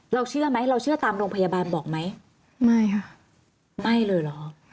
เชื่อไหมเราเชื่อตามโรงพยาบาลบอกไหมไม่ค่ะไม่เลยเหรอ